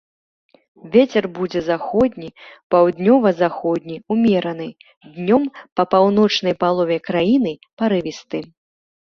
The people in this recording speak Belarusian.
Вецер будзе заходні, паўднёва-заходні, умераны, днём па паўночнай палове краіны парывісты.